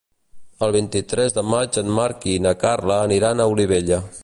El vint-i-tres de maig en Marc i na Carla aniran a Olivella.